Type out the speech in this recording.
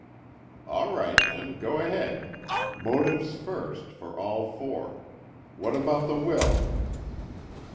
"All right, then, go ahead. Motives first, for all four. What about the will?"